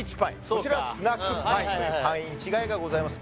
こちらはスナックパインというパイン違いがございます